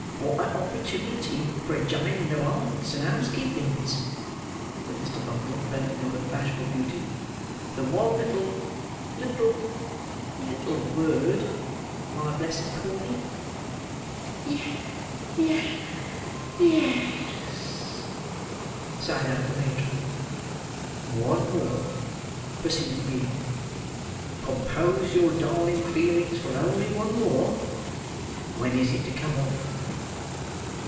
What a opportunity for a jining of hearts and housekeepings!" Mrs. Corney sobbed. "The little word?" said Mr. Bumble, bending over the bashful beauty. "The one little, little, little word, my blessed Corney?" "Ye—ye—yes!" sighed out the matron. "One more," pursued the beadle; "compose your darling feelings for only one more. When is it to come off?"